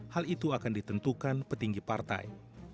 hal itu akan ditentukan petinggi partai